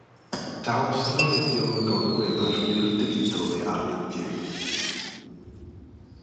Daw synwyryddion gogwydd ar ffurf digidol neu arian byw.